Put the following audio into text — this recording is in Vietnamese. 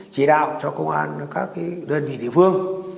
chỉ đạo cho công an các đơn vị địa phương